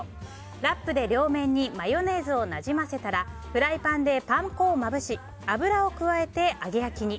ラップで両面にマヨネーズをなじませたらフライパンでパン粉をまぶし油を加えて揚げ焼きに。